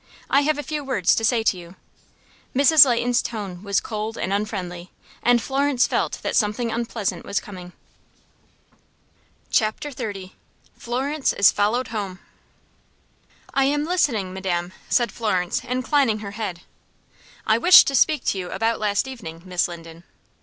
"I have a few words to say to you." Mrs. Leighton's tone was cold and unfriendly, and Florence felt that something unpleasant was coming. Chapter XXX. Florence Is Followed Home. "I am listening, madam," said Florence, inclining her head. "I wish to speak to you about last evening, Miss Linden."